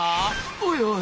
「おいおい。